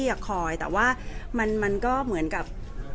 แต่ว่าสามีด้วยคือเราอยู่บ้านเดิมแต่ว่าสามีด้วยคือเราอยู่บ้านเดิม